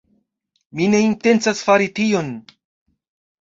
Mi ne intencas fari tion!